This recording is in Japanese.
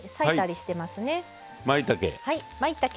しいたけ。